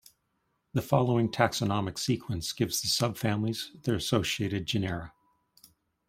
The following taxonomic sequence gives the subfamilies, their associated genera.